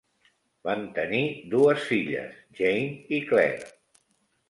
Van tenir dues filles, Jane i Claire.